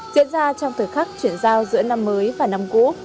diễn ra trong thời khắc chuyển giao giữa năm mới và năm cũ